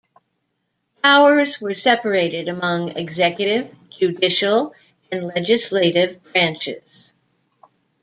Powers were separated among executive, judicial, and legislative branches.